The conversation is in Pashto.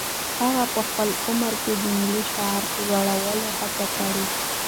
هغه په خپل عمر کې د ملي شعور لوړولو هڅې کړي.